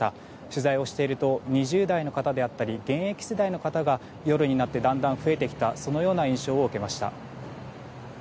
取材をしていると２０代の方であったり現役世代の方が夜になってだんだん増えてきたそのような印象を受けました。